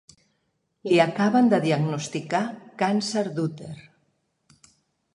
Li acabaven de diagnosticar càncer d'úter.